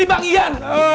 ini bang ian